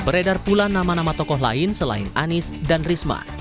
beredar pula nama nama tokoh lain selain anies dan risma